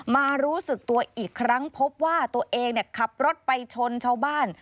รู้สึกตัวอีกครั้งพบว่าตัวเองขับรถไปชนชาวบ้าน